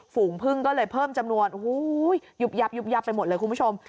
ฝูงพึ่งก็เลยเพิ่มจำนวนยุบยับยุบยับไปหมดเลยคุณผู้ชม